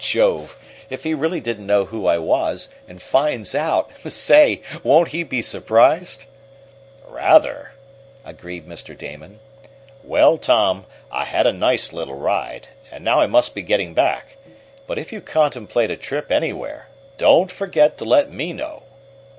Jove! if he really didn't know who I was, and finds out, say! won't he be surprised?" "Rather," agreed Mr Damon. "Well, Tom, I had a nice little ride. And now I must be getting back. But if you contemplate a trip anywhere, don't forget to let me know."